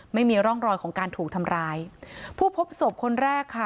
ไม่มีร่องรอยของการถูกทำร้ายผู้พบศพคนแรกค่ะ